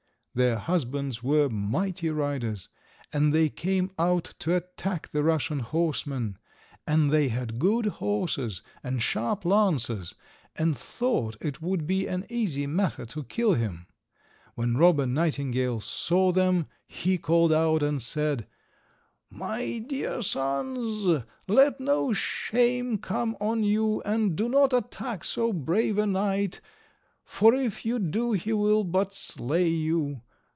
Their husbands were mighty riders, and they came out to attack the Russian horseman; and they had good horses and sharp lances, and thought it would be an easy matter to kill him. When Robber Nightingale saw them, he called out and said— "My dear sons, let no shame come on you, and do not attack so brave a knight, for if you do he will but slay you.